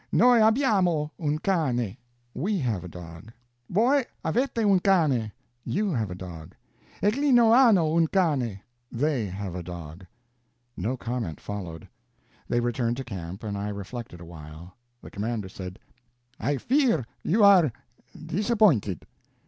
"Noi abbiamo un cane, we have a dog." "Voi avete un cane, you have a dog." "Eglino hanno un cane, they have a dog." No comment followed. They returned to camp, and I reflected a while. The commander said: "I fear you are disappointed."